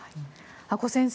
阿古先生